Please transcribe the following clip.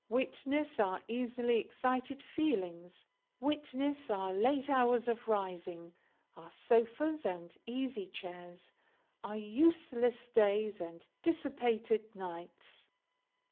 Witness our easily excited feelings; witness our late hours of rising, our sofas and easy chairs, our useless days and dissipated nights!